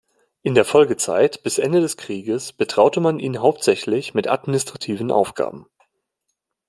In der Folgezeit bis Ende des Krieges betraute man ihn hauptsächlich mit administrativen Aufgaben.